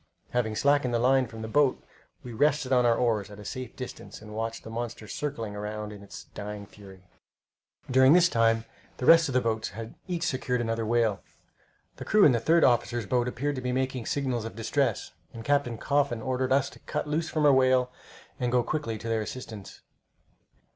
Having slackened the line from the boat, we rested on our oars at a safe distance and watched the monster circling around in its dying fury. During this time the rest of the boats had each secured another whale. The crew in the third officer's boat appeared to be making signals of distress, and Captain Coffin ordered us to cut loose from our whale and go quickly to their assistance.